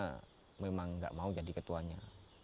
kemudian saya memang enggak mau jadi ketuanya